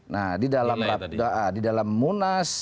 nah di dalam munas